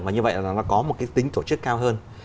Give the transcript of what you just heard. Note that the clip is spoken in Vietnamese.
và như vậy là nó có một cái tính tổ chức cao hơn